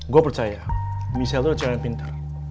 gue percaya michelle itu cinta yang pintar